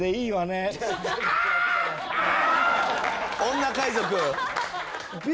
女海賊。